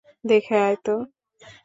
দেখে আয় তো।